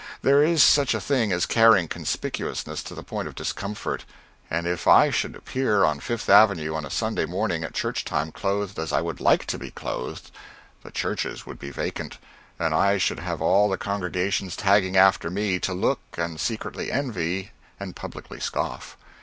There is such a thing as carrying conspicuousness to the point of discomfort; and if I should appear on Fifth Avenue on a Sunday morning, at church time, clothed as I would like to be clothed, the churches would be vacant, and I should have all the congregations tagging after me, to look, and secretly envy, and publicly scoff.